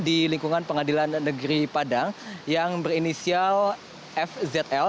di lingkungan pengadilan negeri padang yang berinisial fzl